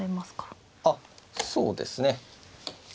あっそうですね。